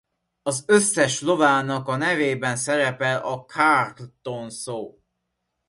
Az összes lovának a nevében szerepel a Carlton szó.